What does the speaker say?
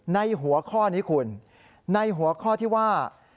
ในหัวข้อนี้คุณในหัวข้อที่ว่า